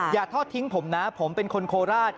อย่าทอดทิ้งผมนะผมเป็นคนโคราช